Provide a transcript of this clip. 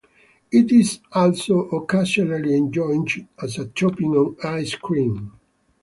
It is also occasionally enjoyed as a topping on ice-cream.